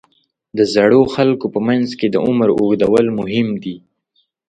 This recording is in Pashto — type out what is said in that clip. د زړو خلکو په منځ کې د عمر اوږدول مهم دي.